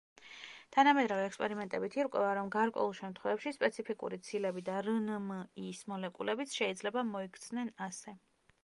თანამედროვე ექსპერიმენტებით ირკვევა, რომ გარკვეულ შემთხვევებში, სპეციფიკური ცილები და რნმ-ის მოლეკულებიც შეიძლება მოიქცნენ ასე.